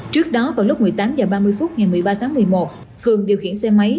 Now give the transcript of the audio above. trước đó vào lúc một mươi tám h ba mươi phút ngày một mươi ba tháng một mươi một cường điều khiển xe máy